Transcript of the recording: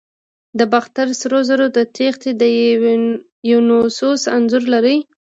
د باختر سرو زرو تختې د دیونوسوس انځور لري